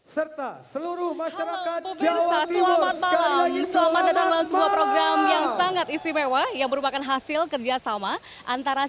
serta seluruh masyarakat jawa timur yang sangat istimewa yang merupakan hasil kerjasama antara